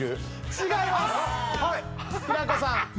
違います。